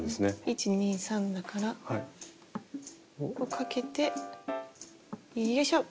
１２３だからここかけてよいしょ！